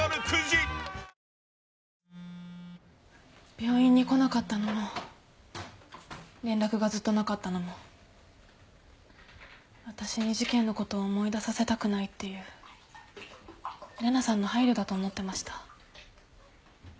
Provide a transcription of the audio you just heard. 病院に来なかったのも連絡がずっとなかったのも私に事件のことを思い出させたくないっていう玲奈さんの配慮だと思ってました。